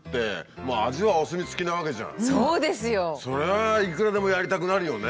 そりゃいくらでもやりたくなるよね。